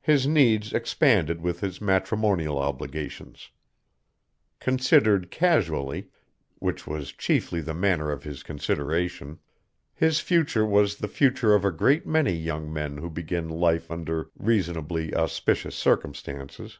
His needs expanded with his matrimonial obligations. Considered casually which was chiefly the manner of his consideration his future was the future of a great many young men who begin life under reasonably auspicious circumstances.